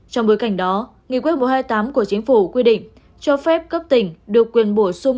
trong bối cảnh đó nghị quyết một trăm hai mươi tám của chính phủ quy định cho phép cấp tỉnh được quyền bổ sung